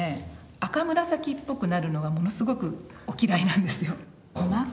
赤紫っぽくなるのがものすごくお嫌いなんですよ。